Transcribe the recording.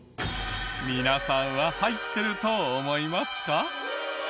皆さんは入ってると思いますか？